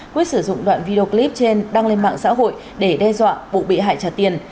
quyết sử dụng đoạn video clip trên đăng lên mạng xã hội để đe dọa vụ bị hại trả tiền